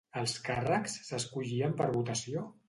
Els càrrecs s'escollien per votació?